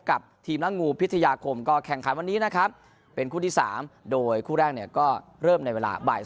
อะไรอย่างนี้ค่ะเราไม่ทราบ